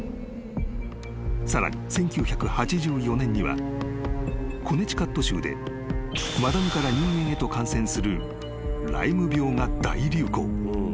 ［さらに１９８４年にはコネティカット州でマダニから人間へと感染するライム病が大流行］